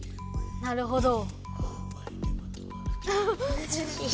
なるほど。